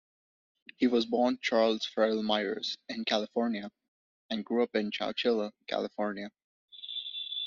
He was born Charles Farrell Myers in California, and grew up in Chowchilla, California.